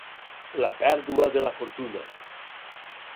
La pèrdua de la fortuna.